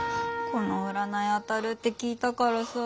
この占い当たるって聞いたからさ。